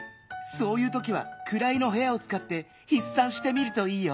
そういうときは「くらいのへや」をつかってひっさんしてみるといいよ。